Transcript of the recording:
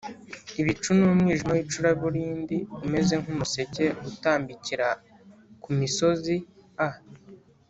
ibicu n umwijima w icuraburindi umeze nk umuseke utambikira ku misozi a